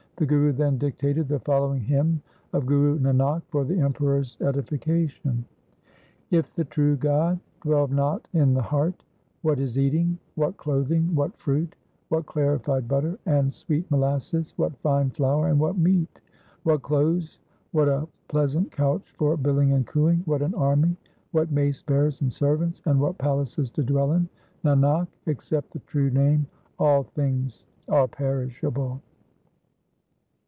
The Guru then dictated the following hymn of Guru Nanak for the Emperor's edifica tion :— Y2 THE SIKH RELIGION If the True God dwell not in the heart, What is eating, what clothing, What fruit, what clarified butter and sweet molasses, what fine flour and what meat ? What clothes, what a pleasant couch for billing and cooing, What an army, what mace bearers and servants, and what palaces to dwell in ? Nanak, except the true Name all things are perishable.